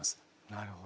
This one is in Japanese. なるほど。